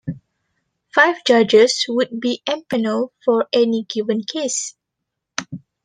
Five judges would be empaneled for any given case.